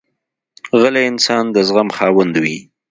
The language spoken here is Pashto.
غلی انسان، د زغم خاوند وي.